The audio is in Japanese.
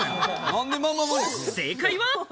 正解は。